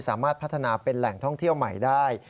สามารถพัฒนาเป็นแหล่งท่องเที่ยวใหม่ได้